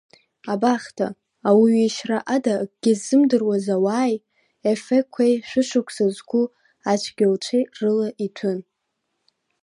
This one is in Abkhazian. Абахҭа, ауаҩы ишьра ада акгьы ззымдыруаз ауааи, Ефеқәеи, шәы-шықәса зқәу ацәгьауцәеи рыла иҭәын.